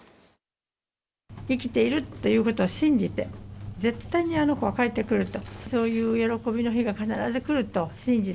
生きているっていうことを信じて、絶対にあの子は帰ってくると。